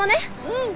うん。